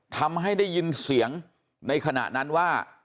ทำให้ได้ยินเสียงในขณะนั้นว่า